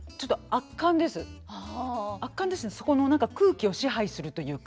圧巻ですしそこの何か空気を支配するというか。